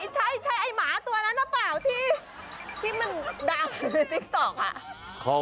ใช่ไอ้หมาตัวนั้นหรือเปล่าที่มันดังอยู่ในติ๊กต๊อก